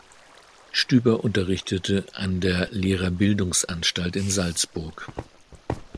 Stüber unterrichtete an der Lehrerbildungsanstalt in Salzburg.